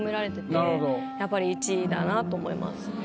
やっぱり１位だなと思います。